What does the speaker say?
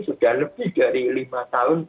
sudah lebih dari lima tahun